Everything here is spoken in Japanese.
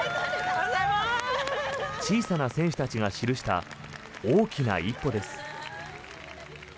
小さな選手たちが記した大きな一歩です。